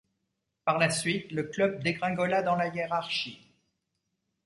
Par la suite, le club dégringola dans la hiérarchie.